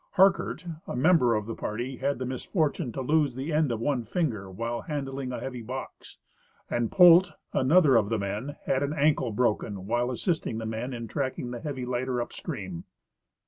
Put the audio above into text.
Harkert, a member of the party, had the misfortune to lose the end of one finger while handhng a heavy box, and Polte, another of the men, had an ankle broken while assisting the men in tracking the heavy lighter upstream.